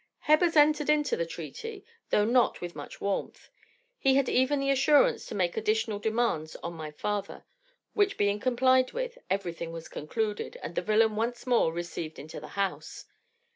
"Hebbers entered into the treaty, though not with much warmth. He had even the assurance to make additional demands on my father, which being complied with, everything was concluded, and the villain once more received into the house.